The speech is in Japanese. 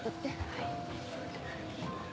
はい。